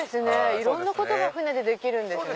いろんなことが船でできるんですね。